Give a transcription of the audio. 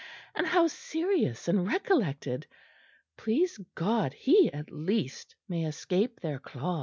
and how serious and recollected! Please God he at least may escape their claws!"